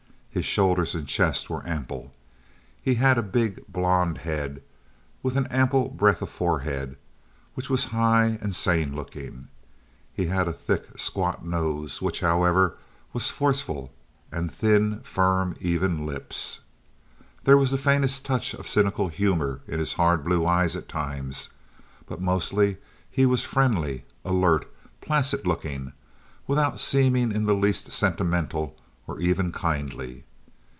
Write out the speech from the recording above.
His shoulders and chest were ample. He had a big blond head, with an ample breadth of forehead, which was high and sane looking. He had a thick, squat nose, which, however, was forceful, and thin, firm, even lips. There was the faintest touch of cynical humor in his hard blue eyes at times; but mostly he was friendly, alert, placid looking, without seeming in the least sentimental or even kindly.